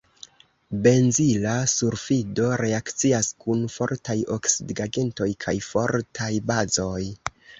Benzila sulfido reakcias kun fortaj oksidigagentoj kaj fortaj bazoj.